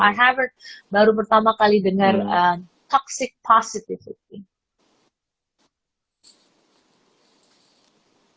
i havert baru pertama kali dengar toxic positivity